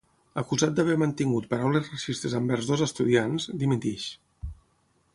Acusat d'haver mantingut paraules racistes envers dos estudiants, dimiteix.